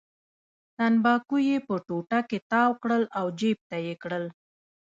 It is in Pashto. تنباکو یې په ټوټه کې تاو کړل او جېب ته یې کړل.